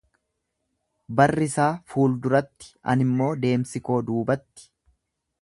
Barrisaa fuulduratti, animmoo deemsi koo duubatti.